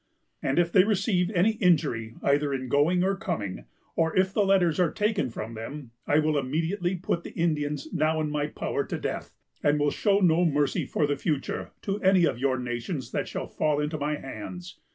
And if they receive any injury either in going or coming, or if the letters are taken from them, I will immediately put the Indians now in my power to death, and will show no mercy, for the future, to any of your nations that shall fall into my hands.